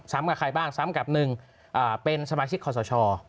ซ้ำกับใครบ้างซ้ำกับ๑เป็นสมาชิกคอสช